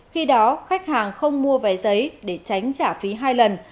khi đó khách hàng không mua vé giấy để tránh trả phí hai lần